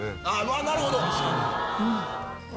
なるほど！